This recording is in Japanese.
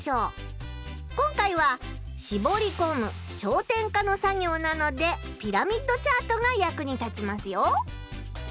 今回はしぼりこむ「焦点化」の作業なのでピラミッドチャートが役に立ちますよ。